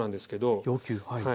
はい。